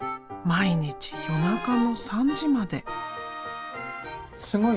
毎日夜中の３時まで。